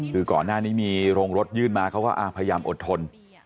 คือก่อนหน้านี้มีโรงรถยื่นมาเขาก็พยายามอดทน